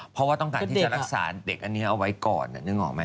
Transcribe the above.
เพราะว่าต้องการที่จะรักษาเด็กอันนี้เอาไว้ก่อนนึกออกไหม